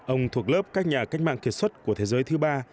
ông thuộc lớp các nhà cách mạng kiệt xuất của thế giới thứ ba